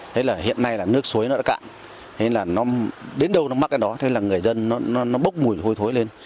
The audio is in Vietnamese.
thế là hiện nay là nước suối nó đã cạn nên là nó đến đâu nó mắc cái đó thế là người dân nó bốc mùi hôi thối lên